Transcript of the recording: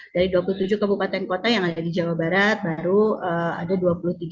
dari dua puluh tujuh kabupaten kota yang ada di jawa barat kita memiliki pusat pembelajaran keluarga